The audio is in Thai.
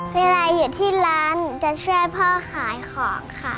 เวลาอยู่ที่ร้านหนูจะช่วยพ่อขายของค่ะ